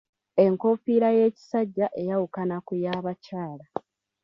Enkoofiira y'ekisajja eyawukana ku y'abakyala.